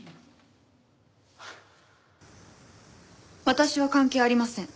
私は関係ありません。